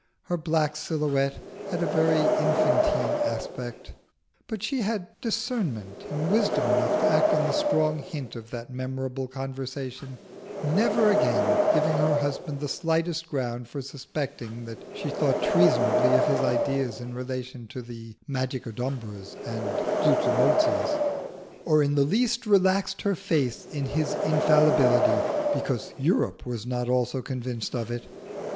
Her black silhouette had a very infantine aspect, but she had discernment and wisdom enough to act on the strong hint of that memorable conversation, never again giving her husband the slightest ground for suspecting that she thought treasonably of his ideas in relation to the Magicodumbras and Zuzumotzis, or in the least relaxed her faith in his infallibility because Europe was not also convinced of it.